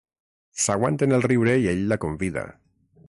S'aguanten el riure i ell la convida.